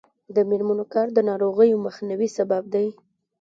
د میرمنو کار د ناروغیو مخنیوي سبب دی.